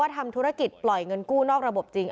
ทำธุรกิจปล่อยเงินกู้นอกระบบจริง